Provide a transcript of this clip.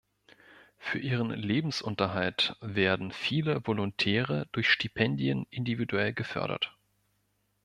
Für ihren Lebensunterhalt werden viele Volontäre durch Stipendien individuell gefördert.